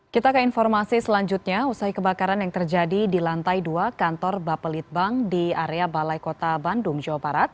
kita ke informasi selanjutnya usai kebakaran yang terjadi di lantai dua kantor bapelitbang di area balai kota bandung jawa barat